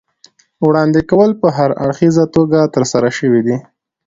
وړاندې کول په هراړخیزه توګه ترسره شوي دي.